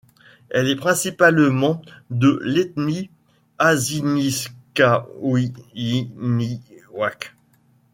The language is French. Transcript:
Elle est principalement de l'ethnie Asinīskāwiyiniwak.